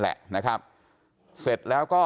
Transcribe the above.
ความปลอดภัยของนายอภิรักษ์และครอบครัวด้วยซ้ำ